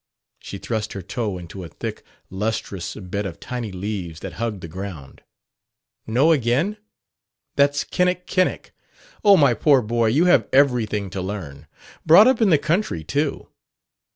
she thrust her toe into a thick, lustrous bed of tiny leaves that hugged the ground. "No, again? That's kinnikinnick. Oh, my poor boy, you have everything to learn. Brought up in the country, too!"